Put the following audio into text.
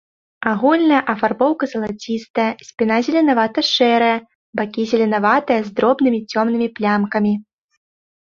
Агульная афарбоўка залацістая, спіна зеленавата-шэрая, бакі зеленаватыя з дробнымі цёмнымі плямкамі.